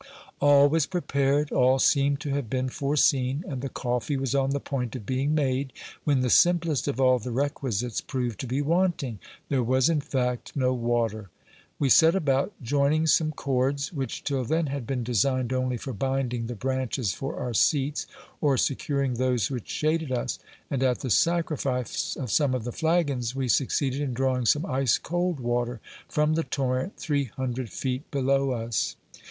All was prepared, all seemed to have been foreseen, and the coffee was on the point of being made, when the simplest of all the recjuisites proved to be wanting. There 246 OBERMANN was in fact no water. We set about joining some cords, which till then had been designed only for binding the branches for our seats, or securing those which shaded us, and at the sacrifice of some of the flagons we succeeded in drawing some ice cold water from the torrent three hundred feet below us.